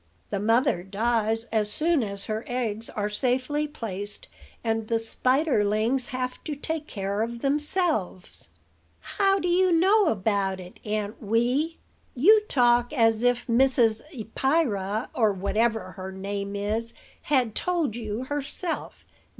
The mother dies as soon as her eggs are safely placed, and the spiderlings have to take care of themselves." "How do you know about it, Aunt Wee? You talk as if Mrs. Eppyra or whatever her name is had told you herself.